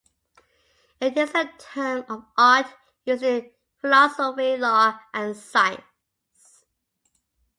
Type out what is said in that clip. It is a term of art used in philosophy, law, and science.